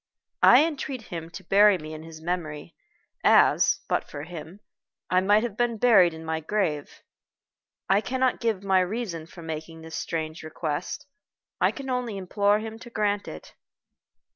I entreat him to bury me in his memory as, but for him, I might have been buried in my grave. I cannot give my reason for making this strange request. I can only implore him to grant it."